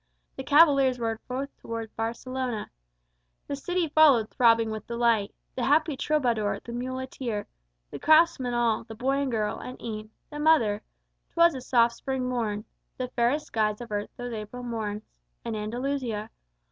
The cavaliers rode forth toward Barcelona. The city followed, throbbing with delight. The happy troubadour, the muleteer, The craftsmen all, the boy and girl, and e'en The mother 'twas a soft spring morn; The fairest skies of earth those April morns In Andalusia.